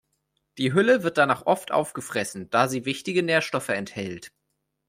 Die Hülle wird danach oft aufgefressen, da sie wichtige Nährstoffe enthält.